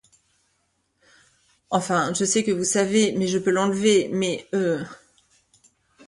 Enfin, je sais que vous savez, mais je peux l’enlever, mais… euh…